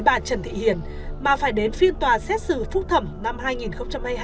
bà trần thị hiền mà phải đến phiên tòa xét xử phúc thẩm năm hai nghìn hai mươi hai mới trình báo